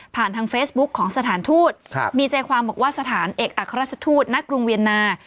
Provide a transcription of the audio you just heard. ทางเฟซบุ๊คของสถานทูตมีใจความบอกว่าสถานเอกอัครราชทูตณกรุงเวียนนา